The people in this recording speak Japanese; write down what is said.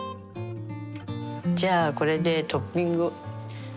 じゃあこれでトッピング。